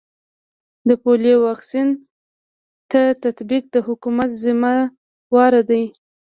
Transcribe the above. د پولیو واکسین تطبیق د حکومت ذمه واري ده